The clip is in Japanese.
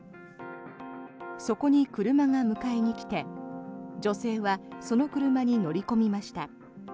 そこに車が迎えに来て女性はその車に乗り込みました。